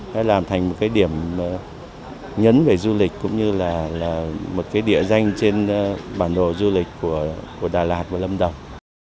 hay làm thành một cái điểm nhấn về du lịch cũng như là một cái địa danh trên bản đồ du lịch của đà lạt và lâm đồng